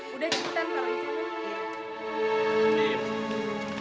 budi ciptaan kalau bisa gitar